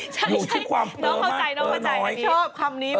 เช่นที่ความเป๋อมาก